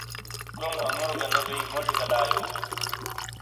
کروم انگورو گہ نے بئی، موجی گہ لا یو بین۔